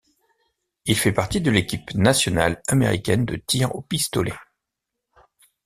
Il fait partie de l'équipe nationale américaine de tir au pistolet.